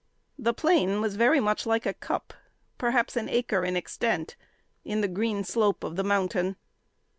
The plain was very much like a cup, perhaps an acre in extent, in the green slope of the mountain.